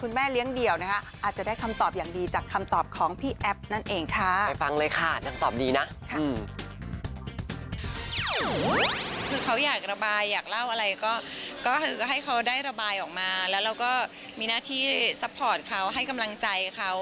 แล้วก็มีหน้าที่ซัพพอร์ตเขาให้กำลังใจเขา